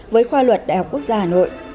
với khoa luật đại học quốc gia hà nội